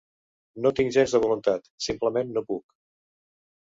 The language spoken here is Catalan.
No tinc gens de voluntat; simplement, no puc.